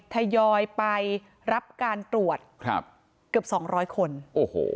ทยอยไปรับการตรวจครับเกือบสองร้อยคนโอ้โห